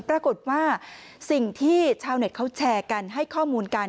ปรากฏว่าสิ่งที่ชาวเน็ตเขาแชร์กันให้ข้อมูลกัน